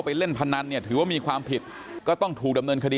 เล่นพนันเนี่ยถือว่ามีความผิดก็ต้องถูกดำเนินคดี